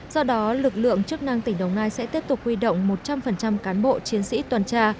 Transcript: do đó lực lượng chức năng tỉnh đồng nai sẽ tiếp tục huy động một trăm linh cán bộ chiến sĩ toàn tra